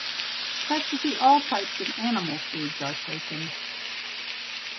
Practically all types of animal foods are taken.